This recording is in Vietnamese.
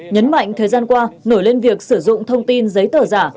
nhấn mạnh thời gian qua nổi lên việc sử dụng thông tin giấy tờ giả